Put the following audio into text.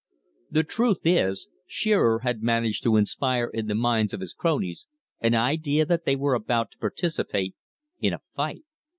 The truth is, Shearer had managed to inspire in the minds of his cronies an idea that they were about to participate in a fight.